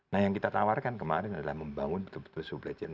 nah yang kita tawarkan kemarin adalah membangun betul betul supply chain